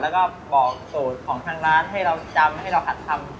แล้วก็บอกสูตรของทางร้านให้เราจำให้เราผัดทำ